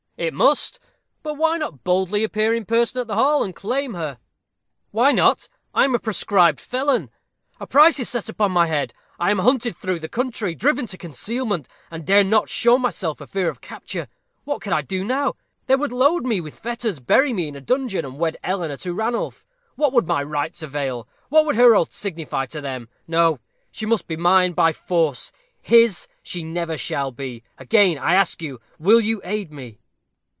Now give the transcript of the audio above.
"It must. But why not boldly appear in person at the hall, and claim her?" "Why not? I am a proscribed felon. A price is set upon my head. I am hunted through the country driven to concealment, and dare not show myself for fear of capture. What could I do now? They would load me with fetters, bury me in a dungeon, and wed Eleanor to Ranulph. What would my rights avail? What would her oath signify to them? No; she must be mine by force. His she shall never be. Again, I ask you, will you aid me?"